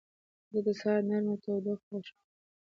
زه د سهار نرمه تودوخه خوښوم.